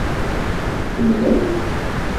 Kemmlemt.